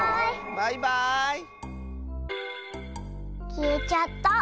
きえちゃった。